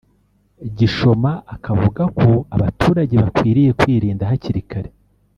Gishoma akavuga ko abaturage bakwiriye kwirinda hakiri kare